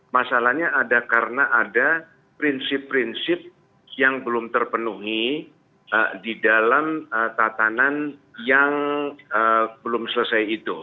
masalahnya ada karena ada prinsip prinsip yang belum terpenuhi di dalam tatanan yang belum selesai itu